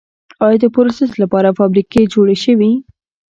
آیا دپروسس لپاره فابریکې جوړې شوي؟